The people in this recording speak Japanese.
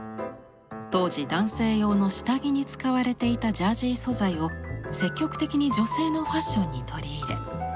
当時男性用の下着に使われていたジャージー素材を積極的に女性のファッションに取り入れ